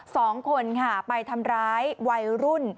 สองคนค่ะไปทำร้ายวัยรุ่น